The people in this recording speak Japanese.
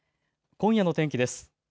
今夜の天気です。